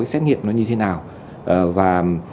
xét nghiệm nó như thế nào và